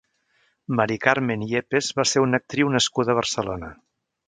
Mari Carmen Yepes va ser una actriu nascuda a Barcelona.